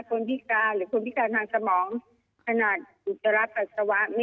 พิการหรือคนพิการทางสมองขนาดอุจจาระปัสสาวะ